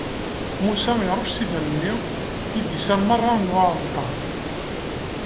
Musa iṛucc s idammen-nni, idisan meṛṛa n uɛalṭar.